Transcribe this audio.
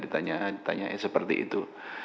ditanya tanya seperti itu